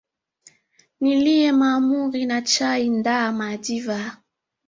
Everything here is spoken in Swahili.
Nilie mahamuri na chai ndha madhiva